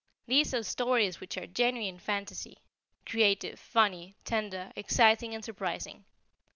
These are stories which are genuine fantasy creative, funny, tender, exciting and surprising.